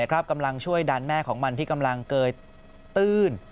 กำลังช่วยดันแม่ของมันที่กำลังเกยตื้น